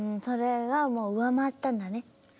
それがもう上回ったんだね。